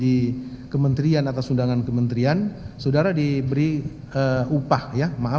di kementerian atas undangan kementerian saudara diberi upah ya maaf